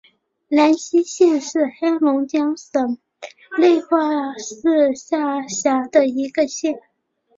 兰西县是黑龙江省绥化市下辖的一个县。